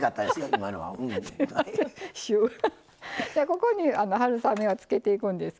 ここに春雨をつけていくんですけども。